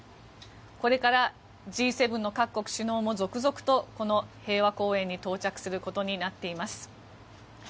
これからＧ７の各国首脳も続々とこの平和公園に到着することになっています。